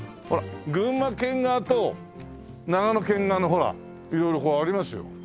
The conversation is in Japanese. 群馬県側と長野県側のほら色々こうありますよ。